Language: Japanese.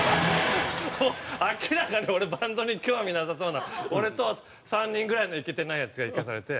明らかに俺バンドに興味なさそうな俺と３人ぐらいのイケてないヤツが行かされて。